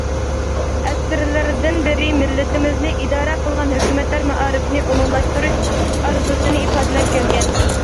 ئەسىرلەردىن بىرى مىللىتىمىزنى ئىدارە قىلغان ھۆكۈمەتلەر مائارىپنى ئومۇملاشتۇرۇش ئارزۇسىنى ئىپادىلەپ كەلگەن.